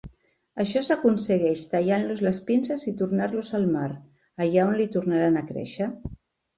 Això s'aconsegueix tallant-los les pinces i tornant-los al mar, allà on li tornaran a créixer.